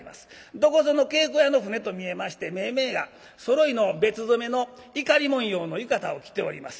どこぞの稽古屋の船と見えましてめいめいがそろいの別染のイカリ文様の浴衣を着ております。